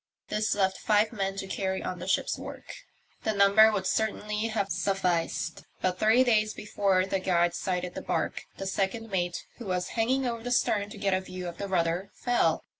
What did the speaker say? This left five men to carry on the ship's work. The number would certainly have sufficed, but three days before the Guide sighted the barque the second mate, who was hanging over the stern to get a view of the rudder, fell.